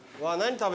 はい。